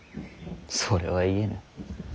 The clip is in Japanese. それは言えぬ。